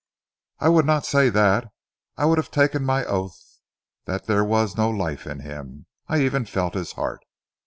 "I would not say that. I would have taken my oath that there was no life in him. I even felt his heart!"